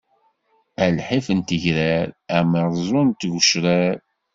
A lḥif n tegrar, ameṛṛẓu n tgecrar!